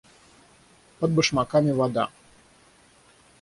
Под башмаками вода.